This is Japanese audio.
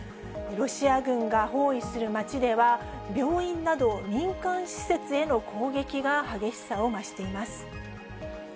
ロシア軍が包囲する街では、病院など民間施設への攻撃が激しさを増しています。